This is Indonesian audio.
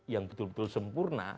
yang betul betul sempurna